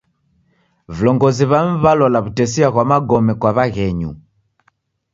Vilongozi w'amu w'alola w'utesia ghwa magome kwa w'aghenyu.